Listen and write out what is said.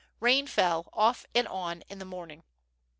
Sain fell off and on in the morning.